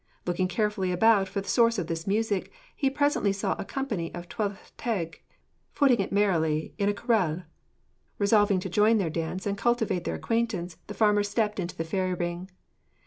Looking carefully about for the source of this music, he presently saw a company of Tylwyth Teg footing it merrily in a corelw. Resolving to join their dance and cultivate their acquaintance, the farmer stepped into the fairy ring.